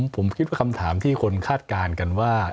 ผมคิดว่าคำถามที่คนคาดการณ์กันว่า